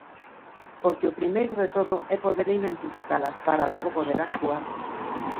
Porque o primeiro de todo é poder identificalas para logo poder actuar.